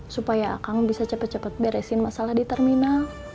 supaya akang bisa cepet cepet beresin masalah di terminal